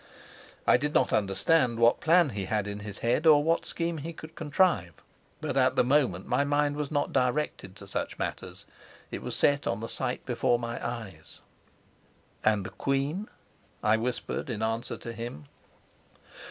I did not understand what plan he had in his head, or what scheme he could contrive. But at the moment my mind was not directed to such matters; it was set on the sight before my eyes. "And the queen?" I whispered in answer to him.